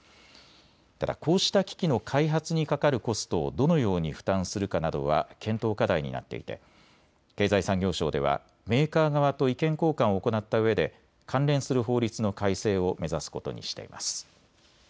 ただ、こうした機器の開発にかかるコストをどのように負担するかなどは検討課題になっていて経済産業省ではメーカー側と意見交換を行ったうえで関連する法律の改正を目指すことにしています。